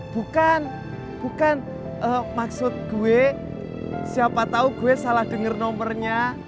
bukan bukan maksud gue siapa tahu gue salah denger nomornya